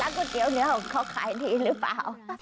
ก๋วยเตี๋ยวเนื้อของเขาขายดีหรือเปล่า